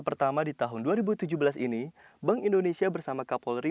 pertama di tahun dua ribu tujuh belas ini bank indonesia bersama kapolri